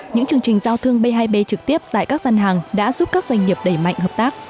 những chương trình giao thương b hai b trực tiếp tại các gian hàng đã giúp các doanh nghiệp đẩy mạnh hợp tác